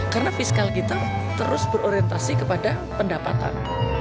karena fiskal kita terus berorientasi kepada pendapatan